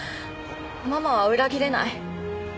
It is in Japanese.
ママは裏切れない。